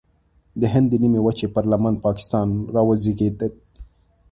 د هند د نیمې وچې پر لمن پاکستان راوزېږید.